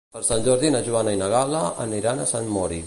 Per Sant Jordi na Joana i na Gal·la aniran a Sant Mori.